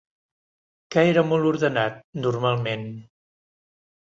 Que era molt ordenat, normalment?